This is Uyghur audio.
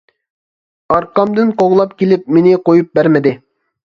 ئارقامدىن قوغلاپ كېلىپ، مېنى قويۇپ بەرمىدى.